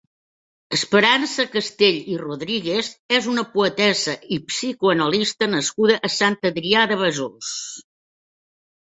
Esperança Castell i Rodríguez és una poetessa i psicoanalista nascuda a Sant Adrià de Besòs.